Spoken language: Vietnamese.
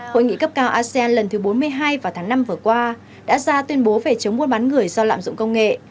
hội nghị cấp cao asean lần thứ bốn mươi hai vào tháng năm vừa qua đã ra tuyên bố về chống buôn bán người do lạm dụng công nghệ